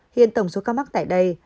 hiện tổng số ca mắc tại đây